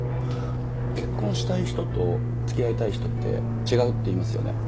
結婚したい人と付き合いたい人って違うっていいますよね。